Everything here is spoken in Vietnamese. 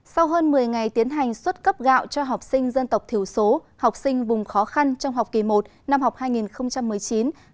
sau hơn một mươi ngày tiến hành xuất cấp gạo cho học sinh dân tộc thiểu số học sinh vùng khó khăn trong học kỳ một năm học hai nghìn một mươi chín hai nghìn hai mươi